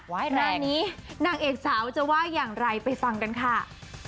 งานนี้นางเอกสาวจะว่าอย่างไรไปฟังกันค่ะ